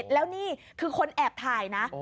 แล้วนี่คือคนแอบถ่ายนะ